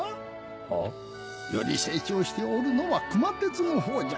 は？より成長しておるのは熊徹のほうじゃ。